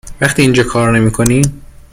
وقتی اینجا کار نمی کنی